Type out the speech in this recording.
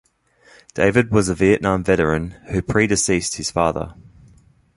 David was a Vietnam veteran who predeceased his father.